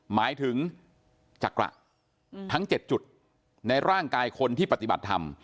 หมายถึงจักรทั้ง๗จุดในร่างกายคนที่ปฏิบัติธรรม